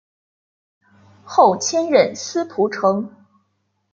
后迁任司仆丞。